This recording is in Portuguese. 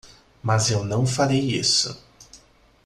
Mas eu não farei isso.